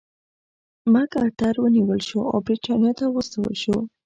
مک ارتر ونیول شو او برېټانیا ته واستول شو.